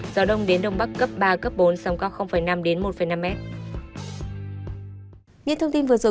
gió đông đến đông bắc cấp bốn sông cao năm một năm m